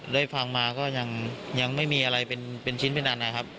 ได้ฟังมาก็ยังไม่มีอะไรเป็นชิ้นเป็นอันนะครับ